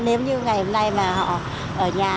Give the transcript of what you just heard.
nếu như ngày hôm nay mà họ ở nhà